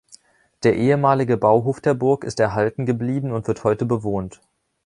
Der ehemalige Bauhof der Burg ist erhalten geblieben und wird heute bewohnt.